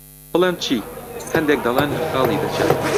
بڵێم چی، هەندێک دەڵێن لە خاڵی دەچێت.